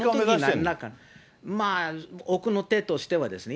そまあ、奥の手としてはですね。